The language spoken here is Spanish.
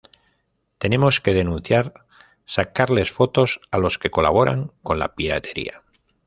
tenemos que denunciar, sacarles fotos a los que colaboran con la piratería